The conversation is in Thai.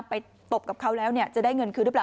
ตบกับเขาแล้วจะได้เงินคืนหรือเปล่า